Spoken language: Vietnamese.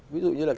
ví dụ như là